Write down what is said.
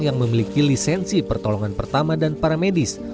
yang memiliki lisensi pertolongan pertama dan para medis